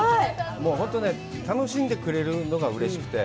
もう本当にね、楽しんでくれるのがうれしくて。